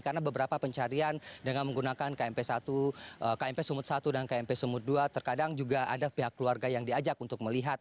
karena beberapa pencarian dengan menggunakan kmp sumut satu dan kmp sumut dua terkadang juga ada pihak keluarga yang diajak untuk melihat